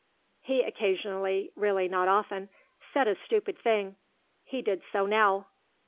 He occasionally (really not often) said a stupid thing; he did so now.